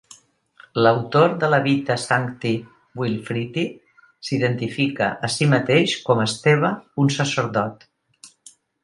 L'autor de la "Vita Sancti Wilfrithi" s'identifica a si mateix com "Esteve, un sacerdot".